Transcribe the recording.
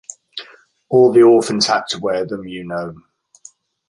All the orphans had to wear them, you know.